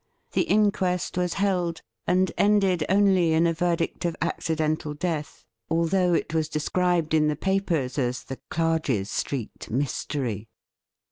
The inquest was held, and ended only in a verdict of ' Accidental death,' although it was described in the papers as 'The Clarges Street Mystery.'